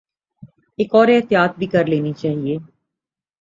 ایک اور احتیاط بھی کر لینی چاہیے۔